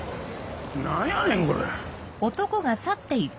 何やねんこれ。